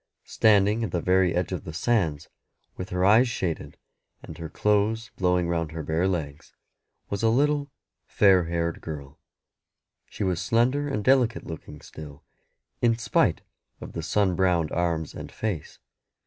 Standing at the very edge of the sands, with her eyes shaded, and her clothes blowing round her bare legs, was a little fair haired girl. She was slender and delicate looking still, in spite of the sun browned arms and face.